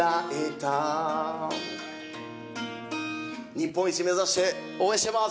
日本一目指して応援しています。